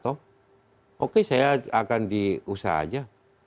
oke saya akan diusaha saja